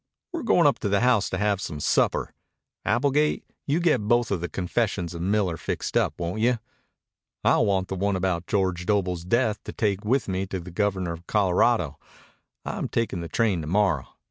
We're goin' up to the house to have some supper. Applegate, you'll get both of the confessions of Miller fixed up, won't you? I'll want the one about George Doble's death to take with me to the Governor of Colorado. I'm takin' the train to morrow."